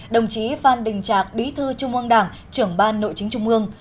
đồng chí phan đình trạc bí thư trung ương đảng trưởng ban nội chính trung ương